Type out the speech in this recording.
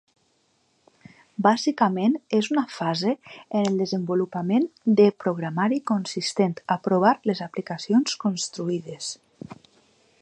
Bàsicament és una fase en el desenvolupament de programari consistent a provar les aplicacions construïdes.